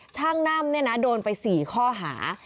ช่างน่ำโดนไป๔ข้อหา